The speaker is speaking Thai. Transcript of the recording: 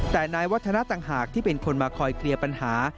แต่นายวัฒนาต่างหากที่เป็นคนมาคอยเคลียร์ปัญหา